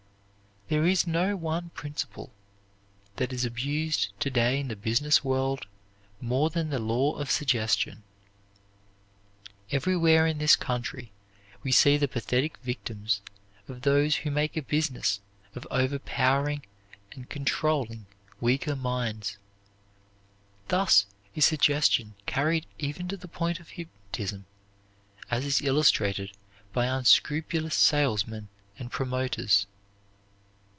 There is no one principle that is abused to day in the business world more than the law of suggestion. Everywhere in this country we see the pathetic victims of those who make a business of overpowering and controlling weaker minds. Thus is suggestion carried even to the point of hypnotism as is illustrated by unscrupulous salesmen and promoters.